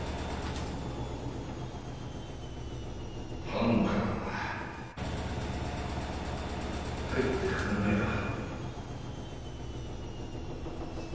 頼むから帰ってくれないか？